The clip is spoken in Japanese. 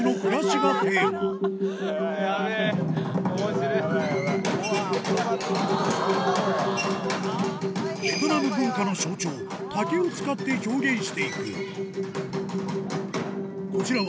ベトナム文化の象徴竹を使って表現していくこちらは